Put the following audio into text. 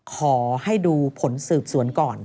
ขอให้ดูผลสืบสวนก่อน